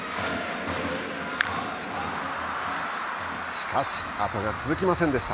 しかし、後が続きませんでした。